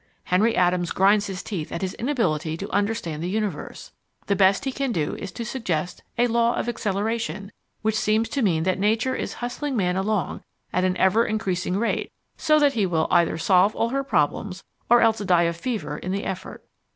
Henry Adams grinds his teeth at his inability to understand the universe. The best he can do is to suggest a "law of acceleration," which seems to mean that Nature is hustling man along at an ever increasing rate so that he will either solve all her problems or else die of fever in the effort.